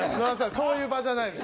そういう場じゃないです